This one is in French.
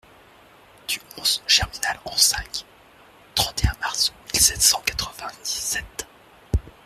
Du onze germinal an cinq (trente et un mars mille sept cent quatre-vingt-dix-sept).